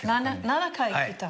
７回来た？